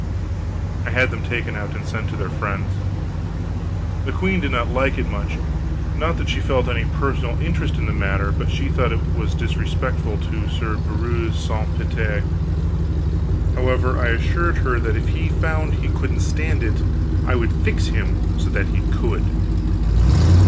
I had them taken out and sent to their friends. The queen did not like it much. Not that she felt any personal interest in the matter, but she thought it disrespectful to Sir Breuse Sance Pite. However, I assured her that if he found he couldn't stand it I would fix him so that he could.